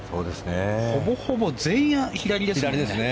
ほぼほぼ全員、左ですね。